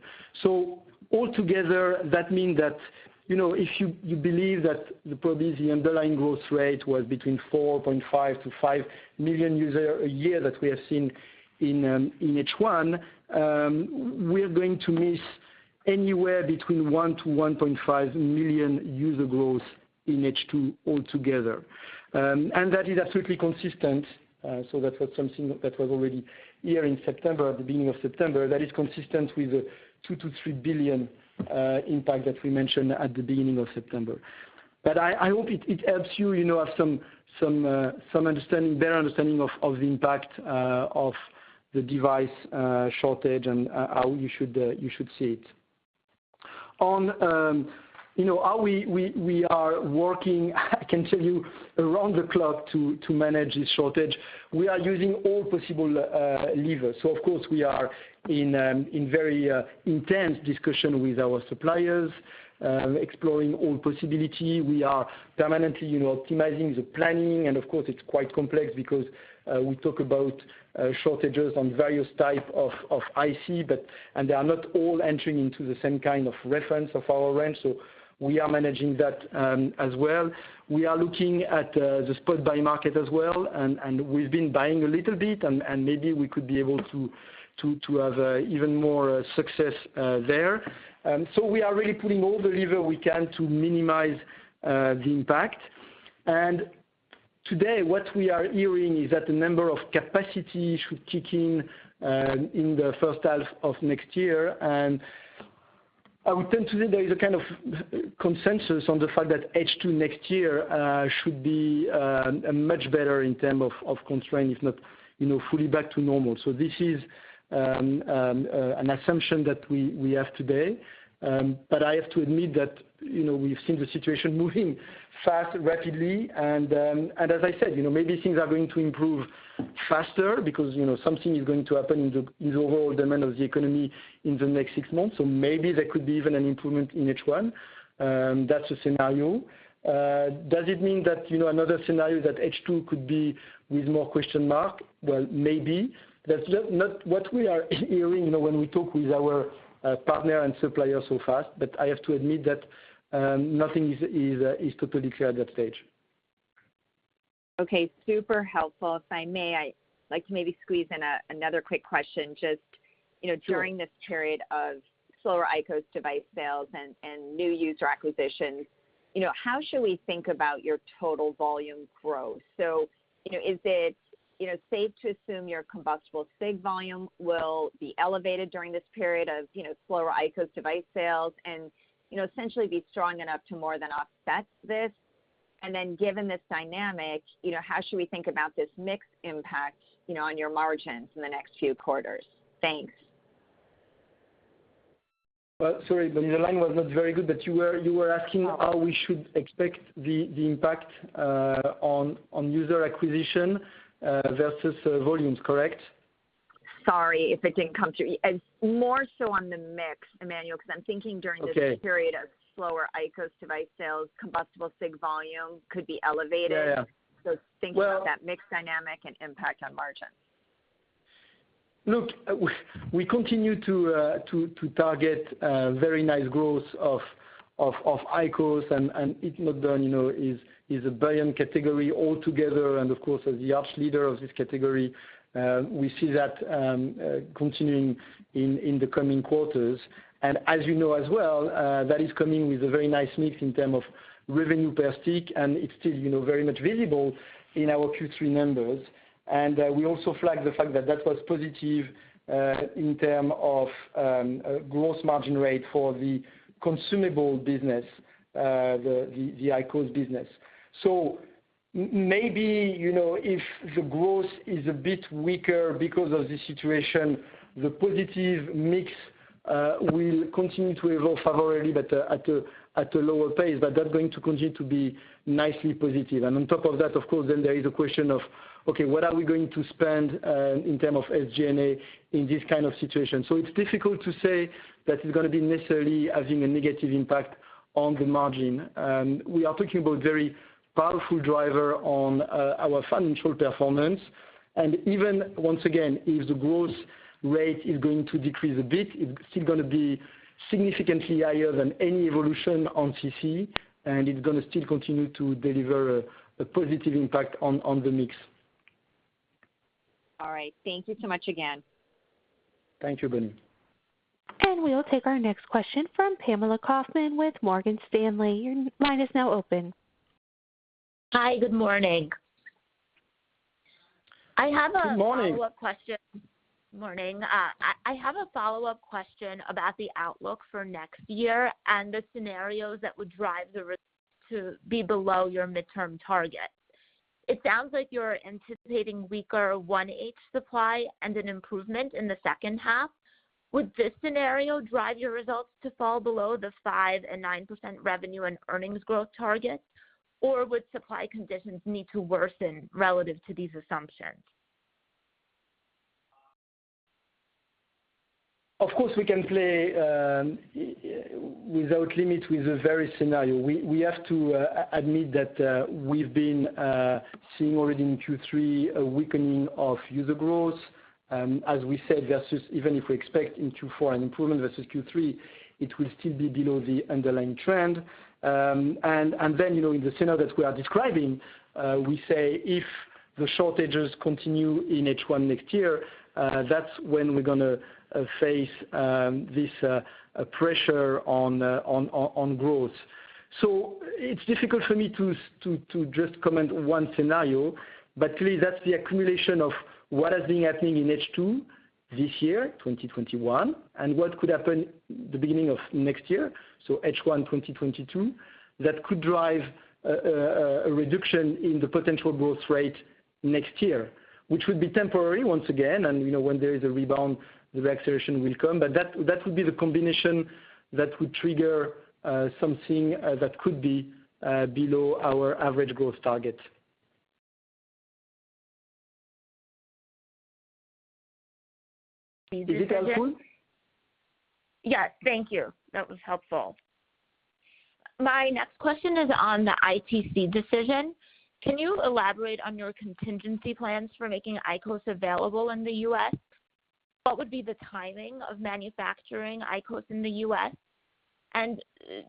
Altogether, that means that if you believe that probably the underlying growth rate was between 4.5 million-5 million users a year that we have seen in H1, we are going to miss anywhere between 1 million-1.5 million user growth in H2 altogether. That is absolutely consistent, that was something that was already here in September, at the beginning of September. That is consistent with the 2 billion-3 billion impact that we mentioned at the beginning of September. I hope it helps you have some better understanding of the impact of the device shortage and how you should see it. On how we are working, I can tell you, around the clock to manage this shortage. We are using all possible levers. Of course, we are in very intense discussion with our suppliers, exploring all possibility. We are permanently optimizing the planning, of course, it's quite complex because we talk about shortages on various type of IC, they are not all entering into the same kind of reference of our range, we are managing that as well. We are looking at the spot buy market as well, and we've been buying a little bit, and maybe we could be able to have even more success there. We are really pulling all the lever we can to minimize the impact. Today, what we are hearing is that the number of capacity should kick in the first half of next year. I would tend to say there is a kind of consensus on the fact that H2 next year should be much better in term of constraint, if not fully back to normal. This is an assumption that we have today. I have to admit that we've seen the situation moving fast, rapidly, and as I said, maybe things are going to improve faster because something is going to happen in the overall demand of the economy in the next six months. Maybe there could be even an improvement in H1. That's a scenario. Does it mean that another scenario that H2 could be with more question mark? Maybe. That's not what we are hearing when we talk with our partner and supplier so far, but I have to admit that nothing is totally clear at that stage. Okay. Super helpful. If I may, I'd like to maybe squeeze in another quick question. Sure. During this period of slower IQOS device sales and new user acquisition, how should we think about your total volume growth? Is it safe to assume your combustible cig volume will be elevated during this period of slower IQOS device sales and essentially be strong enough to more than offset this? Given this dynamic, how should we think about this mix impact on your margins in the next few quarters? Thanks. Well, sorry, Bonnie. The line was not very good, but you were asking how we should expect the impact on user acquisition versus volumes, correct? Sorry if it didn't come through. More so on the mix, Emmanuel, because I'm thinking during this. Okay. Period of slower IQOS device sales, combustible cig volume could be elevated. Yeah. Thinking about that mix dynamic and impact on margins. Look, we continue to target very nice growth of IQOS, and heat-not-burn is a brilliant category altogether. Of course, as the arch leader of this category, we see that continuing in the coming quarters. As you know as well, that is coming with a very nice mix in term of revenue per stick, and it's still very much visible in our Q3 numbers. We also flagged the fact that that was positive, in term of gross margin rate for the consumable business, the IQOS business. Maybe, if the growth is a bit weaker because of the situation, the positive mix will continue to evolve favorably but at a lower pace. That's going to continue to be nicely positive. On top of that, of course, then there is a question of, okay, what are we going to spend in term of SG&A in this kind of situation? It's difficult to say that it's going to be necessarily having a negative impact on the margin. We are talking about very powerful driver on our financial performance. Even, once again, if the growth rate is going to decrease a bit, it's still going to be significantly higher than any evolution on CC, and it's going to still continue to deliver a positive impact on the mix. All right. Thank you so much again. Thank you, Bonnie. We will take our next question from Pamela Kaufman with Morgan Stanley. Your line is now open. Hi, good morning. Good morning. Morning. I have a follow-up question about the outlook for next year and the scenarios that would drive the results to be below your midterm target. It sounds like you're anticipating weaker 1H supply and an improvement in the second half. Would this scenario drive your results to fall below the 5% and 9% revenue and earnings growth targets, or would supply conditions need to worsen relative to these assumptions? Of course, we can play without limit with the various scenario. We have to admit that we've been seeing already in Q3 a weakening of user growth. As we said, versus even if we expect in Q4 an improvement versus Q3, it will still be below the underlying trend. In the scenario that we are describing, we say if the shortages continue in H1 next year, that's when we're going to face this pressure on growth. It's difficult for me to just comment one scenario, but clearly that's the accumulation of what has been happening in H2 this year, 2021, and what could happen the beginning of next year, so H1 2022, that could drive a reduction in the potential growth rate next year. Which would be temporary once again, and when there is a rebound, the reacceleration will come. That would be the combination that would trigger something that could be below our average growth target. Is it helpful? Yes. Thank you. That was helpful. My next question is on the ITC decision. Can you elaborate on your contingency plans for making IQOS available in the U.S.? What would be the timing of manufacturing IQOS in the U.S.?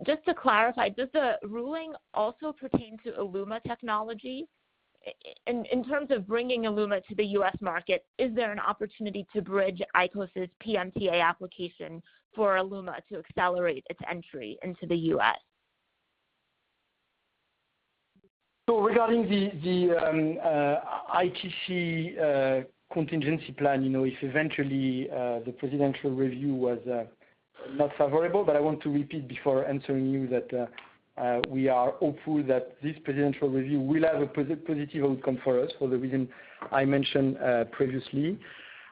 Just to clarify, does the ruling also pertain to ILUMA technology? In terms of bringing ILUMA to the U.S. market, is there an opportunity to bridge IQOS's PMTA application for ILUMA to accelerate its entry into the U.S.? Regarding the ITC contingency plan, if eventually, the presidential review was not favorable. I want to repeat before answering you that we are hopeful that this presidential review will have a positive outcome for us for the reason I mentioned previously.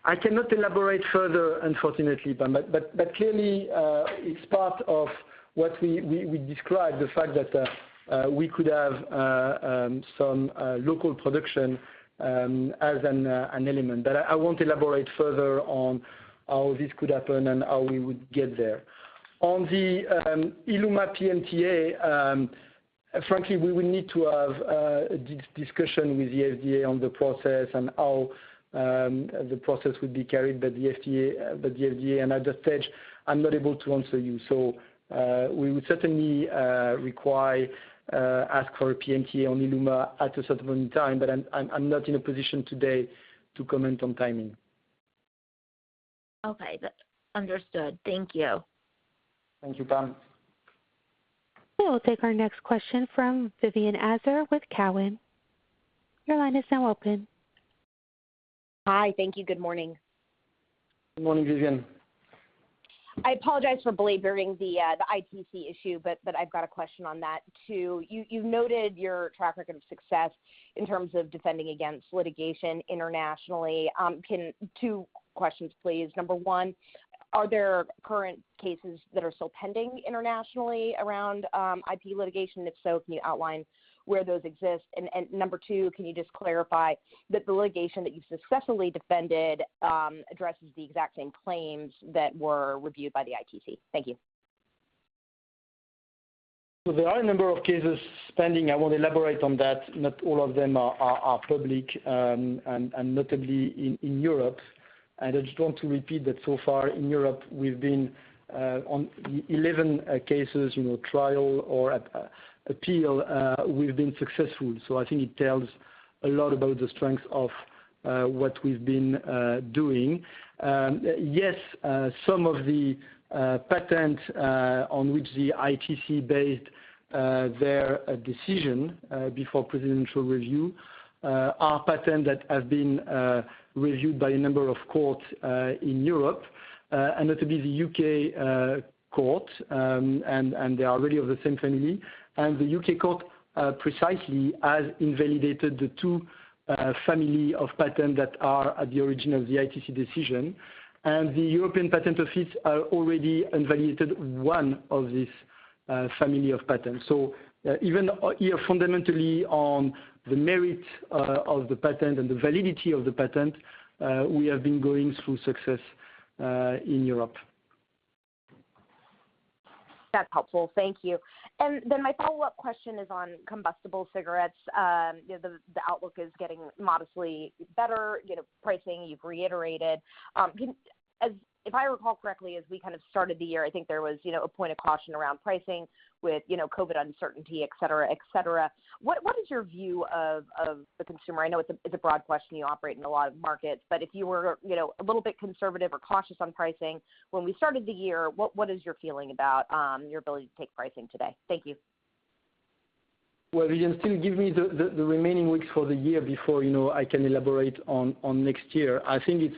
I cannot elaborate further, unfortunately, Pam, but clearly, it's part of what we described, the fact that we could have some local production as an element. I won't elaborate further on how this could happen and how we would get there. On the ILUMA PMTA, frankly, we will need to have a discussion with the FDA on the process and how the process would be carried by the FDA. At that stage, I'm not able to answer you. We would certainly require, ask for a PMTA on ILUMA at a certain point in time, but I'm not in a position today to comment on timing. Okay, that's understood. Thank you. Thank you, Pam. We will take our next question from Vivien Azer with Cowen. Your line is now open. Hi. Thank you. Good morning. Good morning, Vivien. I apologize for belaboring the ITC issue, but I've got a question on that, too. You've noted your track record of success in terms of defending against litigation internationally. Two questions, please. Number one, are there current cases that are still pending internationally around IP litigation? If so, can you outline where those exist? Number two, can you just clarify that the litigation that you successfully defended addresses the exact same claims that were reviewed by the ITC? Thank you. There are a number of cases pending. I won't elaborate on that. Not all of them are public, and notably in Europe. I just want to repeat that so far in Europe, we've been on 11 cases, trial or appeal, we've been successful. I think it tells a lot about the strength of what we've been doing. Yes, some of the patents on which the ITC based their decision before presidential review are patent that have been reviewed by a number of courts in Europe, and notably the U.K. court, and they are really of the same family. The U.K. court precisely has invalidated the two family of patent that are at the origin of the ITC decision. The European Patent Office are already invalidated one of this family of patents. Even here, fundamentally on the merit of the patent and the validity of the patent, we have been going through success in Europe. That's helpful. Thank you. Then my follow-up question is on combustible cigarettes. The outlook is getting modestly better, pricing, you've reiterated. If I recall correctly, as we started the year, I think there was a point of caution around pricing with COVID-19 uncertainty, et cetera. What is your view of the consumer? I know it's a broad question. You operate in a lot of markets, but if you were a little bit conservative or cautious on pricing when we started the year, what is your feeling about your ability to take pricing today? Thank you. Well, Vivien, still give me the remaining weeks for the year before I can elaborate on next year. I think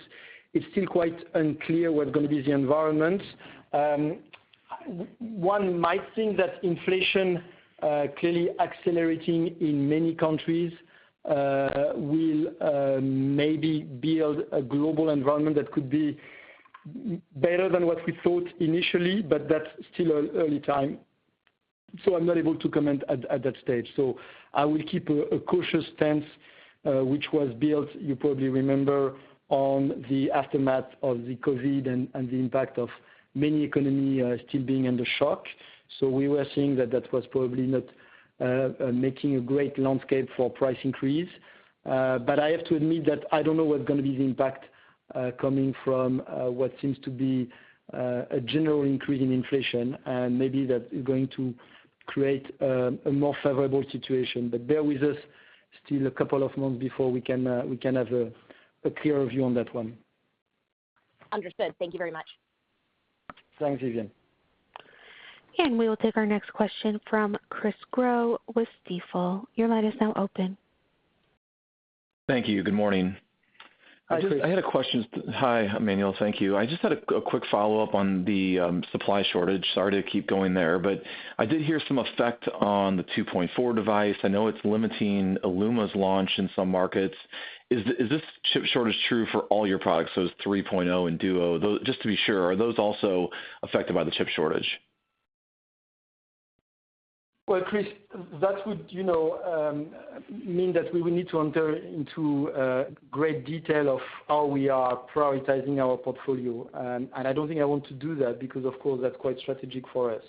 it's still quite unclear what's going to be the environment. One might think that inflation, clearly accelerating in many countries, will maybe build a global environment that could be better than what we thought initially. That's still early time. I'm not able to comment at that stage. I will keep a cautious stance, which was built, you probably remember, on the aftermath of the COVID and the impact of many economies still being under shock. We were seeing that that was probably not making a great landscape for price increase. I have to admit that I don't know what's going to be the impact coming from what seems to be a general increase in inflation, and maybe that is going to create a more favorable situation. Bear with us, still a couple of months before we can have a clearer view on that one. Understood. Thank you very much. Thanks, Vivien. We will take our next question from Chris Growe with Stifel. Your line is now open. Thank you. Good morning. Hi, Chris. I had a question. Hi, Emmanuel. Thank you. I just had a quick follow-up on the supply shortage. Sorry to keep going there, but I did hear some effect on the 2.4 Device. I know it's limiting ILUMA's launch in some markets. Is this chip shortage true for all your products, so 3.0 and DUO? Just to be sure, are those also affected by the chip shortage? Well, Chris, that would mean that we will need to enter into great detail of how we are prioritizing our portfolio. I don't think I want to do that because of course, that's quite strategic for us.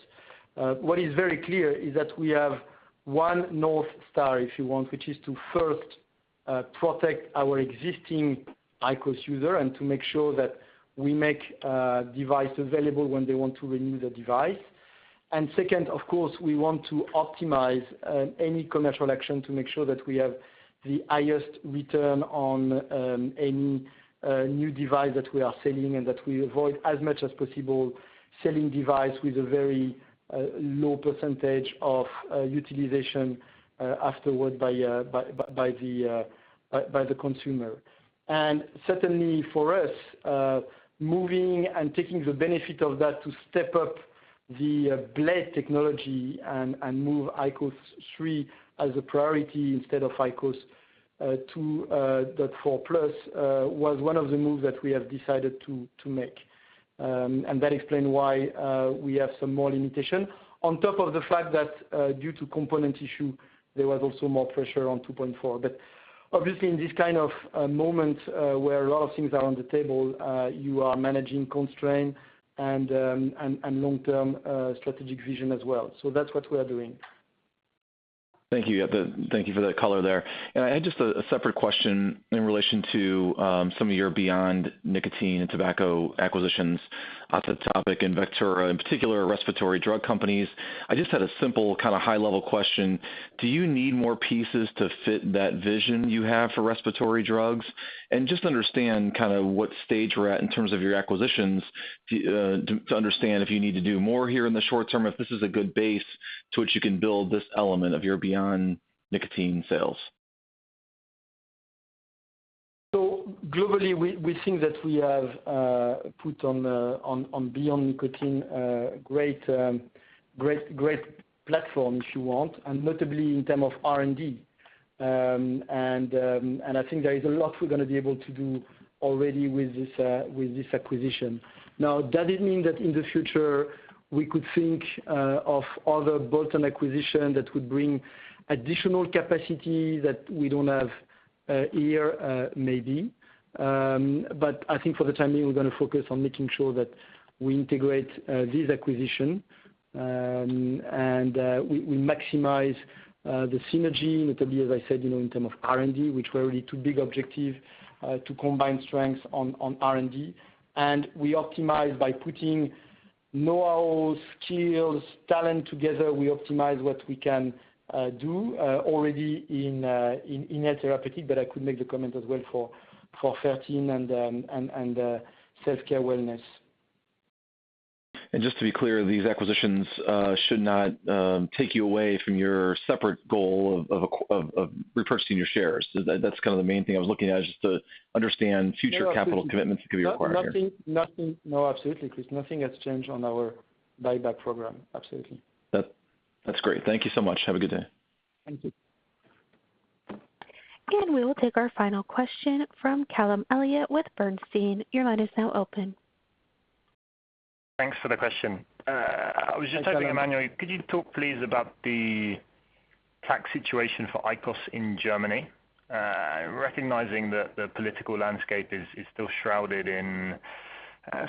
What is very clear is that we have one north star, if you want, which is to first protect our existing IQOS user and to make sure that we make device available when they want to renew the device. Second, of course, we want to optimize any commercial action to make sure that we have the highest return on any new device that we are selling and that we avoid as much as possible selling device with a very low % of utilization afterward by the consumer. Certainly for us, moving and taking the benefit of that to step up the blade technology and move IQOS 3 as a priority instead of IQOS 2.4 PLUS was one of the moves that we have decided to make. That explain why we have some more limitation. On top of the fact that due to component issue, there was also more pressure on 2.4. Obviously in this kind of moment where a lot of things are on the table, you are managing constraint and long-term strategic vision as well. That's what we are doing. Thank you. Thank you for that color there. I had just a separate question in relation to some of your beyond nicotine and tobacco acquisitions, OtiTopic and Vectura in particular, respiratory drug companies. I just had a simple, high-level question. Do you need more pieces to fit that vision you have for respiratory drugs? Just understand what stage we're at in terms of your acquisitions to understand if you need to do more here in the short term, if this is a good base to which you can build this element of your beyond nicotine sales. Globally, we think that we have put on beyond nicotine, great platform, if you want, notably in terms of R&D. I think there is a lot we're going to be able to do already with this acquisition. Now, does it mean that in the future we could think of other bolt-on acquisition that would bring additional capacity that we don't have here? Maybe. I think for the time being, we're going to focus on making sure that we integrate this acquisition, we maximize the synergy, notably, as I said, in terms of R&D, which were really two big objectives to combine strengths on R&D. We optimize by putting know-how, skills, talent together, we optimize what we can do already in therapeutics, but I could make the comment as well for Fertin and self-care wellness. Just to be clear, these acquisitions should not take you away from your separate goal of repurchasing your shares. That's the main thing I was looking at, just to understand future capital commitments that could be required here. Nothing. Absolutely, Chris. Nothing has changed on our buyback program. Absolutely. That's great. Thank you so much. Have a good day. Thank you. We will take our final question from Callum Elliott with Bernstein. Your line is now open. Thanks for the question. Hi, Callum. I was just hoping, Emmanuel, could you talk please about the tax situation for IQOS in Germany? Recognizing that the political landscape is still shrouded in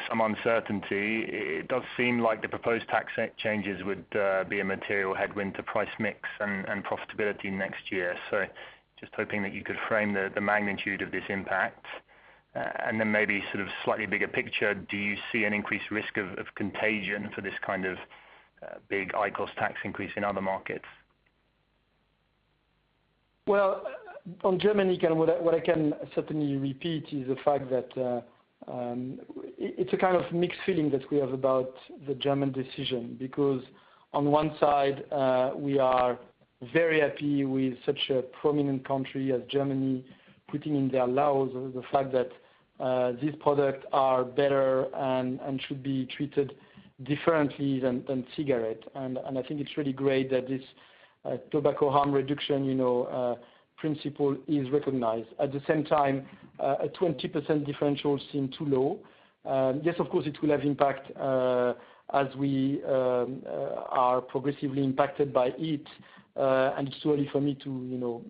some uncertainty. It does seem like the proposed tax changes would be a material headwind to price mix and profitability next year. Just hoping that you could frame the magnitude of this impact. Then maybe slightly bigger picture, do you see an increased risk of contagion for this kind of big IQOS tax increase in other markets? Well, on Germany, Callum, what I can certainly repeat is the fact that it's a kind of mixed feeling that we have about the German decision. On one side, we are very happy with such a prominent country as Germany putting in their laws the fact that these products are better and should be treated differently than cigarette. I think it's really great that this tobacco harm reduction principle is recognized. At the same time, a 20% differential seem too low. Yes, of course, it will have impact as we are progressively impacted by it. It's too early for me to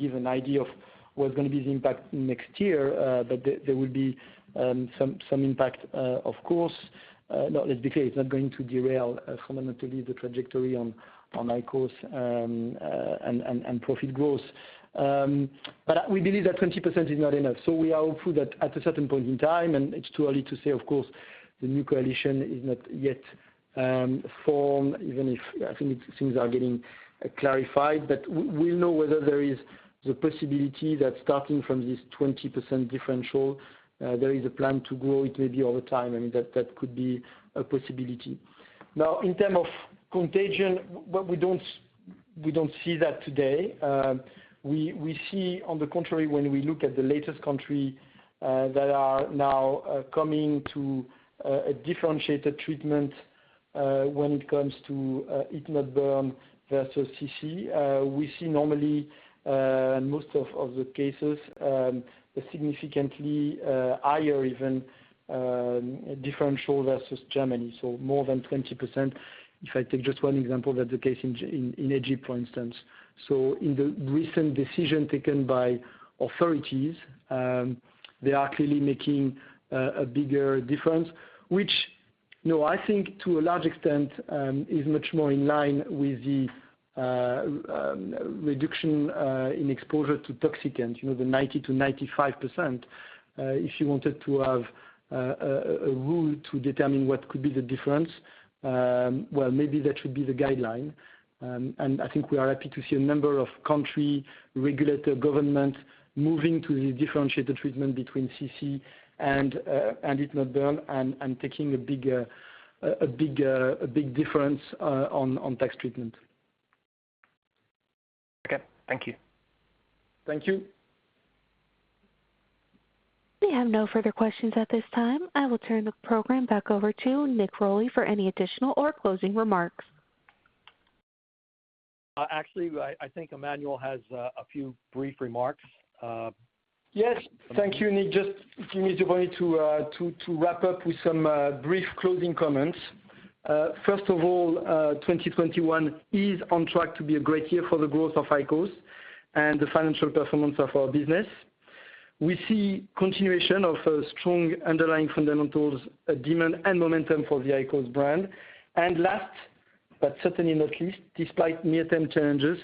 give an idea of what's going to be the impact next year. There will be some impact of course. Now, let's be clear, it's not going to derail fundamentally the trajectory on IQOS and profit growth. We believe that 20% is not enough. We are hopeful that at a certain point in time, and it's too early to say, of course, the new coalition is not yet formed, even if I think things are getting clarified. We'll know whether there is the possibility that starting from this 20% differential, there is a plan to grow. It may be over time, and that could be a possibility. In term of contagion, we don't see that today. We see, on the contrary, when we look at the latest country that are now coming to a differentiated treatment, when it comes to heat-not-burn versus CC. We see normally, in most of the cases, a significantly higher even, differential versus Germany. More than 20%. If I take just one example, that the case in Egypt, for instance. In the recent decision taken by authorities, they are clearly making a bigger difference, which I think to a large extent, is much more in line with the reduction in exposure to toxicants. The 90%-95%. If you wanted to have a rule to determine what could be the difference, well, maybe that should be the guideline. I think we are happy to see a number of country regulator government moving to the differentiated treatment between CC and heat-not-burn, and taking a big difference on tax treatment. Okay. Thank you. Thank you. We have no further questions at this time. I will turn the program back over to Nick Rolli for any additional or closing remarks. Actually, I think Emmanuel has a few brief remarks. Thank you, Nick. Just give me the opportunity to wrap up with some brief closing comments. First of all, 2021 is on track to be a great year for the growth of IQOS and the financial performance of our business. We see continuation of strong underlying fundamentals, demand, and momentum for the IQOS brand. Last, but certainly not least, despite near-term challenges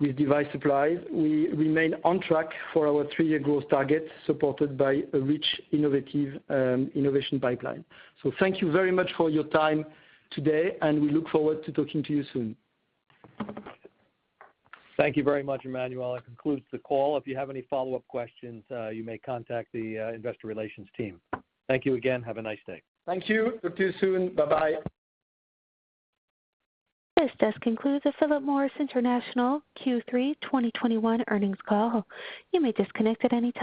with device supplies, we remain on track for our three-year growth target, supported by a rich, innovation pipeline. Thank you very much for your time today, and we look forward to talking to you soon. Thank you very much, Emmanuel. That concludes the call. If you have any follow-up questions, you may contact the investor relations team. Thank you again. Have a nice day. Thank you. Talk to you soon. Bye-bye. This does conclude the Philip Morris International Q3 2021 earnings call. You may disconnect at any time.